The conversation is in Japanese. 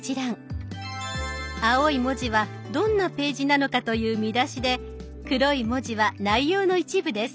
青い文字はどんなページなのかという見出しで黒い文字は内容の一部です。